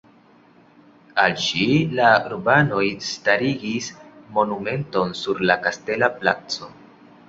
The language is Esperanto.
Al ŝi la urbanoj starigis monumenton sur la kastela placo.